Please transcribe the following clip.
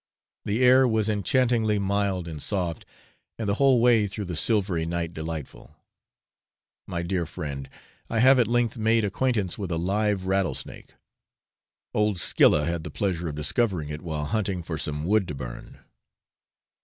The air was enchantingly mild and soft, and the whole way through the silvery night delightful. My dear friend, I have at length made acquaintance with a live rattlesnake. Old Scylla had the pleasure of discovering it while hunting for some wood to burn.